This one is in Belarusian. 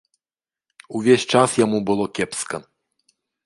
Увесь час яму было кепска.